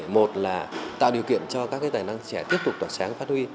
một là tạo điều kiện cho các cái tài năng sẽ tiếp tục tỏa sáng phát huy